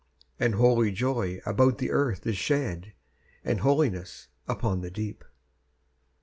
And holy joy about the earth is shed; And holiness upon the deep.